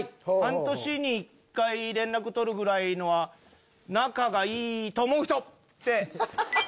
半年に１回連絡取るぐらいのは仲がいいと思う人！」。